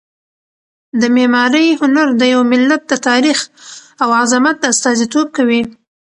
د معمارۍ هنر د یو ملت د تاریخ او عظمت استازیتوب کوي.